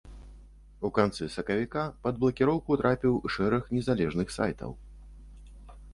У канцы сакавіка пад блакіроўку трапіў шэраг незалежных сайтаў.